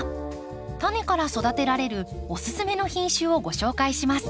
タネから育てられるおすすめの品種をご紹介します。